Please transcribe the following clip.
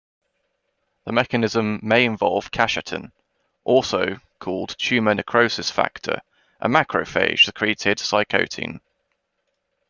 The mechanism may involve cachectin - also called tumor necrosis factor, a macrophage-secreted cytokine.